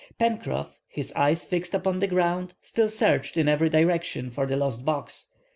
Pencroff, his eyes fixed upon the ground, still searched in every direction for the lost box.